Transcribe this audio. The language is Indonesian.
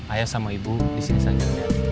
ayah sama ibu di sini saja